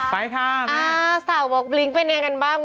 ไปค่ะแม่ครับสาวบอกบลิ๊งค์เป็นอย่างไรกันบ้าง